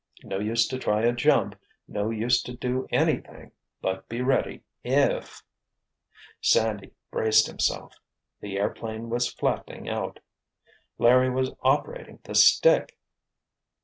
No use to try a jump, no use to do anything but be ready if—— Sandy braced himself. The airplane was flattening out! Larry was operating the stick!